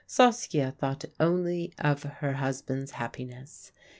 Saskia thought only of her husband's happiness.